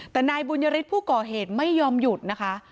แต่นายบุญยฤทธิ์ผู้ก่อเหตุไม่ยอมหยุดนะคะ